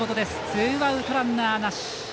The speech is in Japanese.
ツーアウト、ランナーなし。